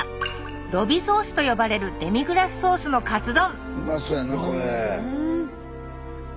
「ドビソース」と呼ばれるデミグラスソースのカツ丼